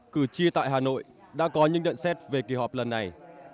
cử tri tại hà nội đã có những nhận xét về kỳ họp lần này